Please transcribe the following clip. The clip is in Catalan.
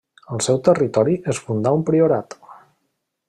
Al seu territori es fundà un priorat.